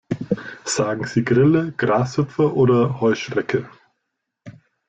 Sagen Sie Grille, Grashüpfer oder Heuschrecke?